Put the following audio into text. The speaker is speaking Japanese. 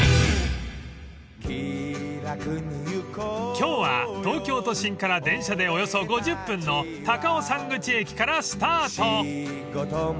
［今日は東京都心から電車でおよそ５０分の高尾山口駅からスタート］